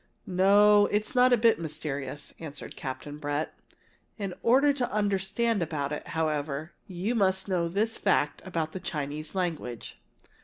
"No, it isn't a bit mysterious," answered Captain Brett. "In order to understand about it, however, you must know this fact about the Chinese language.